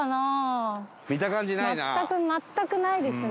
全く全くないですね。